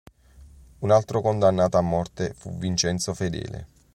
Un altro condannato a morte fu Vincenzo Fedele.